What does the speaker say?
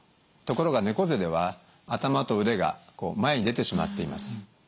ところが猫背では頭と腕が前に出てしまっています。